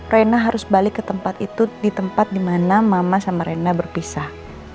rena harus balik ke tempat itu di tempat di mana mama sama rena berpisah